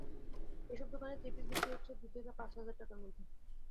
এসব দোকানে থ্রি-পিস বিক্রি হচ্ছে দুই থেকে পাঁচ হাজার টাকার মধ্যে।